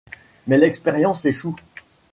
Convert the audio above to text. Mais l'expérience échoue.